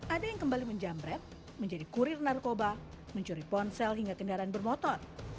ada yang kembali menjamret menjadi kurir narkoba mencuri ponsel hingga kendaraan bermotor